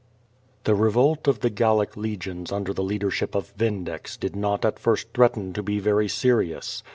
The revolt of the Gallic Legions under the leadership of Vinoex did[not at first threaten to be very serious.